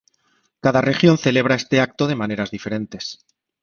Cada región celebra este acto de maneras diferentes.